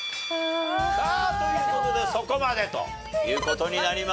さあという事でそこまでという事になります。